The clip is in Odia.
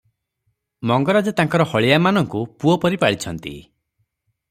ମଙ୍ଗରାଜେ ତାଙ୍କର ହଳିଆ ମାନଙ୍କୁ ପୁଅ ପରି ପାଳିଛନ୍ତି ।